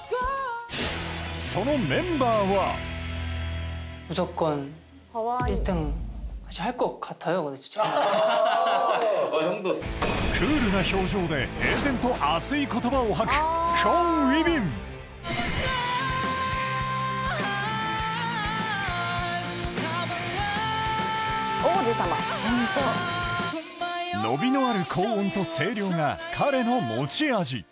そのメンバーはクールな表情で平然と熱い言葉を吐く伸びのある高音と声量が彼の持ち味